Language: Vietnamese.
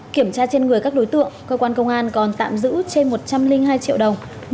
kiểm tra trên người các đối tượng cơ quan công an còn tạm giữ trên một trăm linh hai triệu đồng